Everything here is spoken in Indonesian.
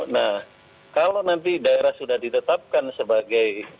nah kalau nanti daerah sudah ditetapkan sebagai